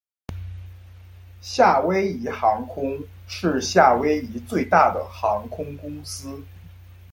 夏威夷航空是夏威夷最大的航空公司。